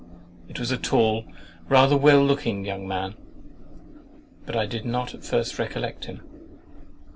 It was a tall, rather well looking young man, but I did not at first recollect him.